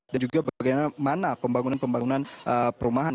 dan juga bagaimana pembangunan pembangunan perumahan